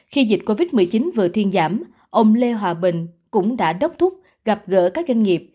khi dịch covid một mươi chín vừa thiên giảm ông lê hòa bình cũng đã đốc thúc gặp gỡ các doanh nghiệp